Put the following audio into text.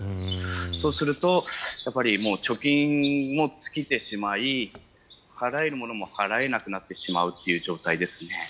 そうすると、貯金も尽きてしまい払えるものも払えなくなってしまうという状況です。